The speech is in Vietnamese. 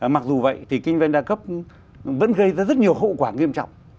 mặc dù vậy thì kinh doanh đa cấp vẫn gây ra rất nhiều hậu quả nghiêm trọng